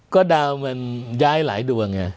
ก็ดาวมันย้ายหลายดวงไง